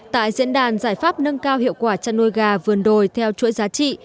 tại diễn đàn giải pháp nâng cao hiệu quả chăn nuôi gà vườn đồi theo chuỗi giá trị